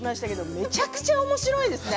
めちゃくちゃ、おもしろいですね。